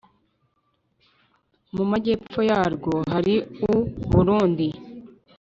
mu majyepfo yarwo hari u burundi,